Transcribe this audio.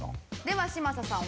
では嶋佐さん